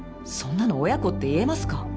そんなの親子って言えますか？